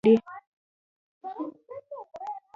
که خیاط دا جامې په اتو ساعتونو کې وګنډي.